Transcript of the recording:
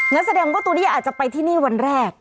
งั้นแสดงว่าตัวนี้อาจจะไปที่นี่วันแรก